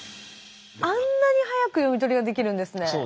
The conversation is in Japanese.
あんなに速く読み取りができるんですね。